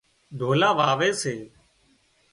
ڍولا واوي سي